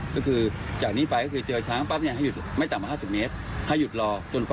ก็คือจากนี้ไปก็คือเจราช้างปั๊บให้หยุดไม่ต่ำว่า๕๐เมตร